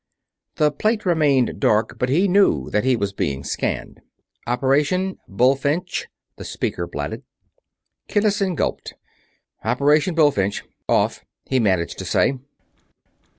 The plate remained dark, but he knew that he was being scanned. "Operation Bullfinch!" the speaker blatted. Kinnison gulped. "Operation Bullfinch Off!" he managed to say.